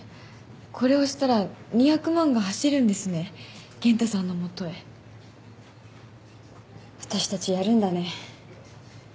これ押したら２００万が走るんですね賢太さんの元へ私たちやるんだね